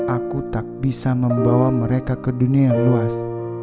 aku tak bisa membawa mereka ke dunia yang luas